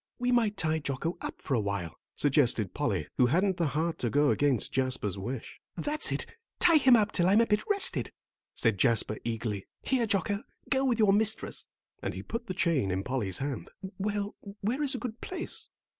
"We might tie Jocko up for a while," suggested Polly, who hadn't the heart to go against Jasper's wish. "That's it, tie him up till I'm a bit rested," said Jasper, eagerly. "Here, Jocko, go with your mistress," and he put the chain in Polly's hand. "Well, where is a good place?"